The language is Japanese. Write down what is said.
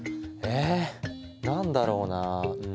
え何だろうなうん。